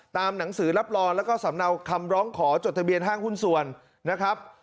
หนังสือรับรองแล้วก็สำเนาคำร้องขอจดทะเบียนห้างหุ้นส่วนนะครับ